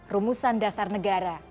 rumusan dasar negara